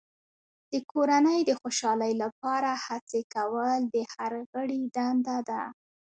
د کورنۍ د خوشحالۍ لپاره هڅې کول د هر غړي دنده ده.